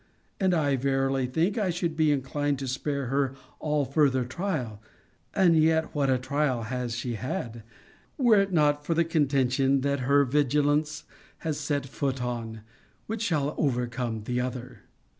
And I verily think I should be inclined to spare her all further trial (and yet what trial has she had?) were it not for the contention that her vigilance has set on foot, which shall overcome the other.